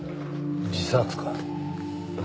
自殺か。